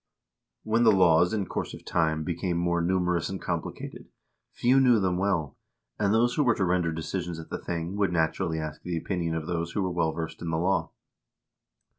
When the laws in course of time became more numerous and compli cated, few knew them well, and those who were to render decisions at the thing would, naturally, ask the opinion of those who were well versed in the law.